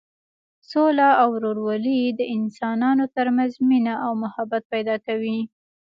سوله او ورورولي د انسانانو تر منځ مینه او محبت پیدا کوي.